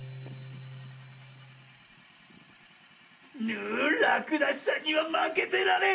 ぬらくだしさんにはまけてられん！